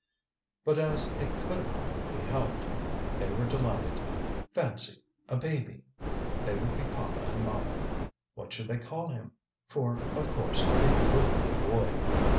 ŌĆØ But as it could not, be helped, they were delighted. Fancy, a baby! They would be papa and mama! What should they call him? For, of course, it would be a boy.